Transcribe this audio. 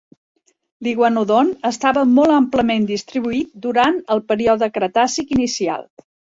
L'iguanodont estava molt amplament distribuït durant el període cretàcic inicial.